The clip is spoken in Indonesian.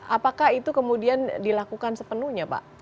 apakah itu kemudian dilakukan sepenuhnya pak